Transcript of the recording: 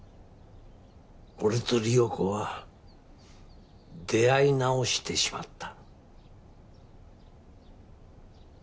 俺と理代子は出会い直してしまった。